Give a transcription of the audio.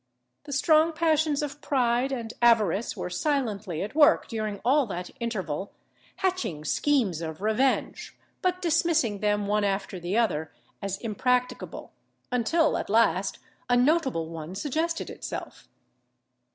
The strong passions of pride and avarice were silently at work during all that interval, hatching schemes of revenge, but dismissing them one after the other as impracticable, until, at last, a notable one suggested itself.